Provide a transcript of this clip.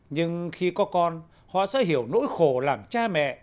nhưng khi có con họ sẽ hiểu nỗi khổ làm cha mẹ